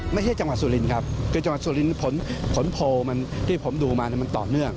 ไม่ใช่จังหวัดสุรินครับคือจังหวัดสุรินทร์ผลโพลมันที่ผมดูมามันต่อเนื่อง